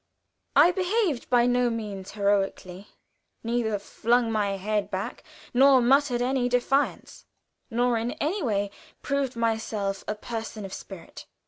I behaved by no means heroically; neither flung my head back, nor muttered any defiance, nor in any way proved myself a person of spirit.